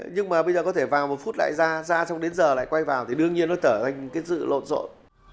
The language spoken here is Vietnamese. nhưng mà bây giờ có thể vào một phút lại ra xong đến giờ lại quay vào thì đương nhiên nó trở thành cái sự lộn rộn